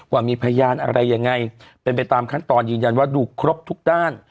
ว่ามีพยานอะไรยังไงเป็นไปตามขั้นตอนยืนยันว่าดูครบทุกด้าน